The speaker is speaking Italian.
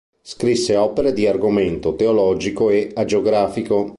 Scrisse opere di argomento teologico e agiografico.